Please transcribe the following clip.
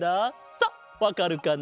さっわかるかな？